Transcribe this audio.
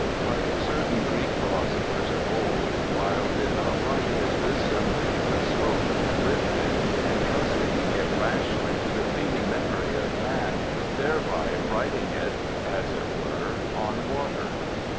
Like certain Greek philosophers of old, Wilde did not write his wisdom, but spoke and lived it, entrusting it rashly to the fleeting memory of man, thereby writing it as it were on water.